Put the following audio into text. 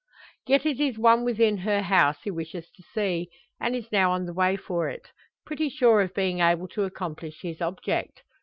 Yet it is one within her house he wishes to see, and is now on the way for it, pretty sure of being able to accomplish his object.